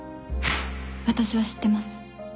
私は知ってます